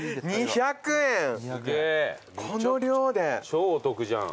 超お得じゃん。